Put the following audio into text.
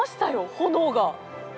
炎が。